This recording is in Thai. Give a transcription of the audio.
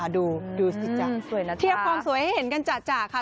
ดูสิจ๊ะเพราะว่าเราสวยเห็นกันจากค่ะ